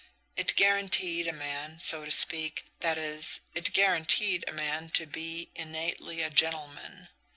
It guaranteed a man, so to speak that is, it guaranteed a man to be innately a gentleman.